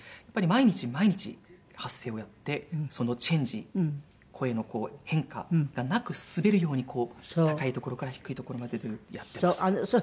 やっぱり毎日毎日発声をやってそのチェンジ声の変化がなく滑るようにこう高いところから低いところまでというやってます。